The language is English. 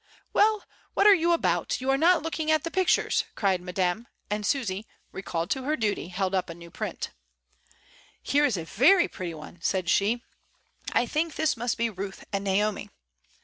"Well, what are you about? you are not looking at the pictures!" cried Madame; and Susy, recalled to her duty, held up a new print. THE ATELIER. 8 1 "Here is a very pretty one," said she. "I think this must be Ruth and Naomi."